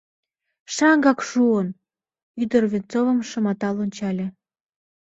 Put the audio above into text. — Шаҥгак шуын! — ӱдыр Венцовым шыматал ончале.